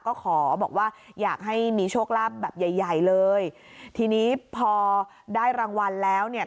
ก็ขอบอกว่าอยากให้มีโชคลาภแบบใหญ่ใหญ่เลยทีนี้พอได้รางวัลแล้วเนี่ย